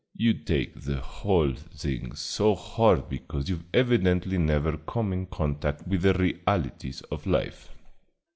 You take the whole thing so hard because you've evidently never come in contact with the realities of life."